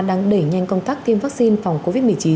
đang đẩy nhanh công tác tiêm vaccine phòng covid một mươi chín